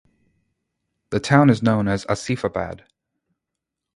The town is also known as Asifabad.